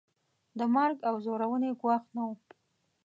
د مرګ او ځورونې ګواښ نه وو.